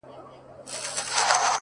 ماته اوس هم راځي حال د چا د ياد ـ